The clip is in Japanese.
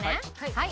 はい。